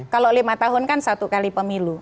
kalau lima tahun kan satu kali pemilu